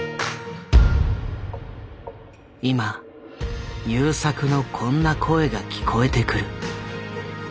今優作のこんな声が聞こえてくる。